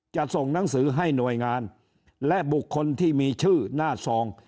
จะส่งหนังสือให้หน่วยงานและบุคคลที่มีชื่อหน้าซอง